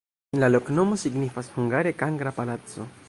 La loknomo signifas hungare: kankra-palaco.